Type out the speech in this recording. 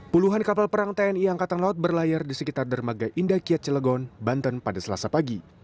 puluhan kapal perang tni angkatan laut berlayar di sekitar dermaga indah kiat cilegon banten pada selasa pagi